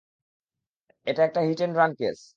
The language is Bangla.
এটা একটা হিট অ্যান্ড রান কেস।